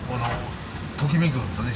ときめくんですよね